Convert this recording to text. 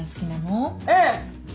うん。